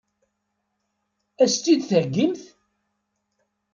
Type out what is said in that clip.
Ad as-tt-id-theggimt?